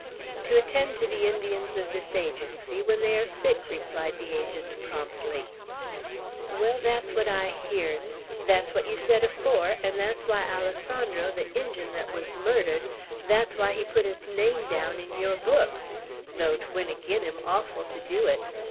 "To attend to the Indians of this Agency when they are sick," replied the Agent, promptly. "Wall, thet's what I heern; thet's what yeow sed afore, 'n' thet's why Alessandro, the Injun thet wuz murdered, thet's why he put his name down 'n yeour books, though 't went agin him orful ter do it.